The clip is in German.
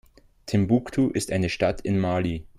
Timbuktu ist eine Stadt in Mali.